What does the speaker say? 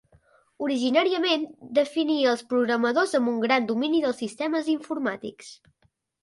Originàriament definia als programadors amb un gran domini dels sistemes informàtics.